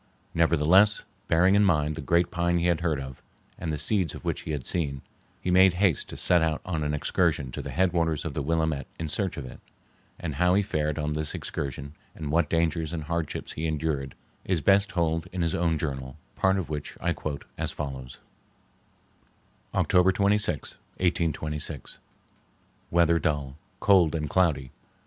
Nevertheless, bearing in mind the great pine he had heard of, and the seeds of which he had seen, he made haste to set out on an excursion to the headwaters of the Willamette in search of it; and how he fared on this excursion and what dangers and hardships he endured is best told in his own journal, part of which I quote as follows:— October 26th, 1826. Weather dull. Cold and cloudy.